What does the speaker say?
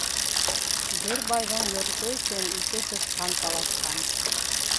Бер байҙың йорто өсөн ике сысҡан талашҡан.